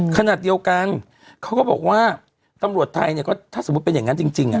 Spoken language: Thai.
ขณะเดียวกันเขาก็บอกว่าตำรวจไทยเนี่ยก็ถ้าสมมุติเป็นอย่างนั้นจริง